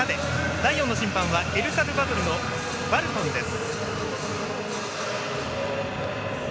第４の審判はエルサルバドルのバルトンです。